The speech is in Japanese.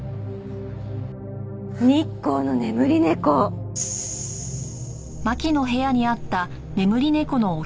日光の眠り猫！